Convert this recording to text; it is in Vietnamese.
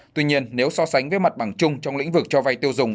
tuy nhiên nếu so sánh với mặt bằng chung trong lĩnh vực cho vay tiêu dùng